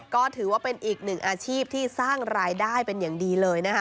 ก็ถือว่าเป็นอีกหนึ่งอาชีพที่สร้างรายได้เป็นอย่างดีเลยนะคะ